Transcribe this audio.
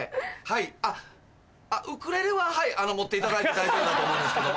あっウクレレは持っていただいて大丈夫だと思うんですけど。